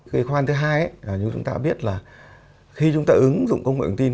kế khoan thứ hai chúng ta biết là khi chúng ta ứng dụng công nghệ hướng tin